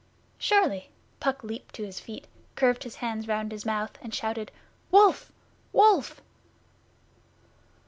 'Surely!' Puck leaped to his feet, curved his hands round his mouth and shouted: 'Wolf! Wolf!